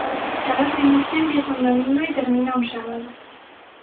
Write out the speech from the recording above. Cada trimestre empieza un domingo y termina un sábado.